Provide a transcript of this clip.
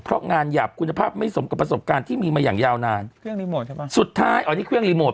เพราะงานหยาบคุณภาพไม่สมกับประสบการณ์ที่มีมาอย่างยาวนานเครื่องรีโมทสุดท้ายอ๋อนี่เครื่องรีโมท